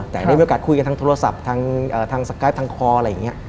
แต่ได้มีโอกาสคุยกันทางโทรศัพท์ทางสกายทางคออะไรอย่างนี้